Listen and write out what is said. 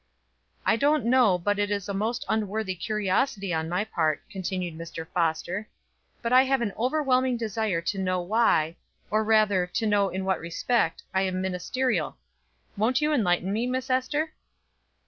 "I don't know but it is a most unworthy curiosity on my part," continued Mr. Foster, "but I have an overwhelming desire to know why or, rather, to know in what respect, I am ministerial. Won't you enlighten me, Miss Ester?"